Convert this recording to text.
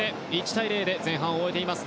１対０で前半を終えています。